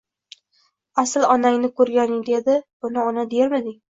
Asl onangni ko'rganinga edi, buni ona dermiding?!